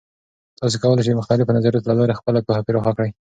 تاسې کولای سئ د مختلفو نظریاتو له لارې خپله پوهه پراخه کړئ.